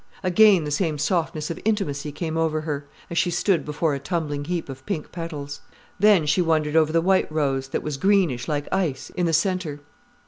Again the same softness of intimacy came over her, as she stood before a tumbling heap of pink petals. Then she wondered over the white rose, that was greenish, like ice, in the centre.